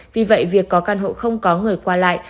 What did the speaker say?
vì vậy việc có căn hộ không có người qua lại